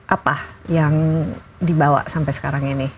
apa yang dibawa sampai sekarang ini